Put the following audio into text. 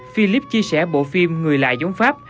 philip chia sẻ bộ phim người lạ giống pháp